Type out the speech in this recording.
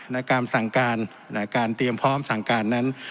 ในการสั่งการในการเตรียมพร้อมสั่งการนั้น